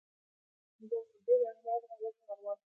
نظام الدین احمد غلط معلومات ورکوي.